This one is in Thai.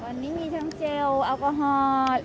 วันนี้มีทั้งเจลแอลกอฮอล์